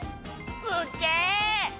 すっげぇ！